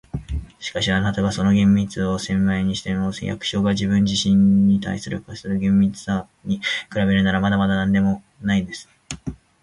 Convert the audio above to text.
「しかし、あなたがその厳密さを千倍にしても、役所が自分自身に対して課している厳密さに比べるなら、まだまだなんでもないものです。